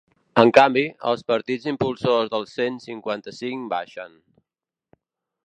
En canvi, els partits impulsors del cent cinquanta-cinc baixen.